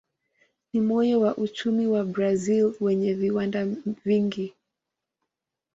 Ni moyo wa uchumi wa Brazil wenye viwanda vingi.